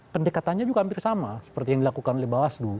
pendekatannya juga hampir sama seperti yang dilakukan oleh bawaslu